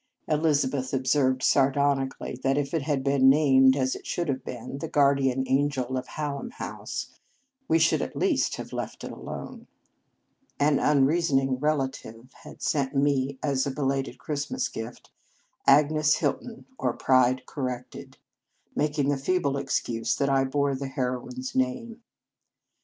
Elizabeth observed sardoni cally that if it had been named, as it should have been, " The Guardian Angel of Hallam House," we should at least have let it alone. An unrea soning relative had sent me as a be lated Christmas gift, "Agnes Hilton; or Pride Corrected," making the feeble excuse that I bore the heroine s name.